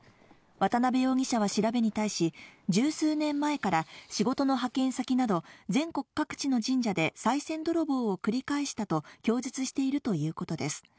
渡部容疑者は調べに対し、十数年前から仕事の派遣先など、全国各地の神社でさい銭泥棒を繰り返したと供述しているということです。